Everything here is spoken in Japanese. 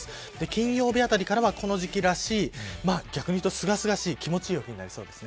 金曜日あたりからはこの時期らしい逆に言うと、すがすがしい陽気になりそうです。